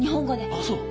あっそう？